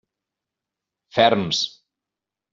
Ferms!